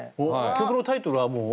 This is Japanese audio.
曲のタイトルはもう？